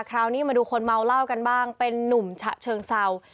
คราวนี้มาดูคนเมาเหล้ากันบ้างเป็นนุ่มฉะเชิงเศร้า